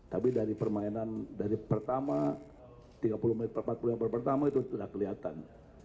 tapi dari permainan dari pertama tiga puluh menit per empat puluh menit pertama itu sudah kelihatan